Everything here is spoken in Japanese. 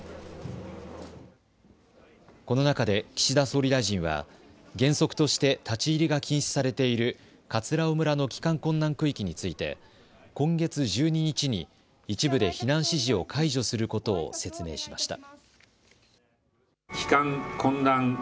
この中で岸田総理大臣は原則として立ち入りが禁止されている葛尾村の帰還困難区域について今月１２日に一部で避難指示を解除することを説明しました。